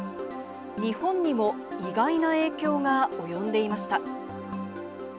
日本にも意外な影響が及んでいました。